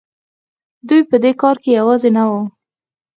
دوی په دې کار کې یوازې نه وو.